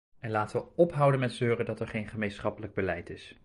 En laten we ophouden met zeuren dat er geen gemeenschappelijk beleid is.